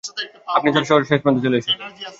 আপনি স্যার শহরের শেষ প্রান্তে চলে এসেছেন।